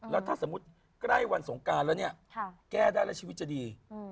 แล้วถ้าสมมุติใกล้วันสงการแล้วเนี่ยแก้ได้แล้วชีวิตจะดี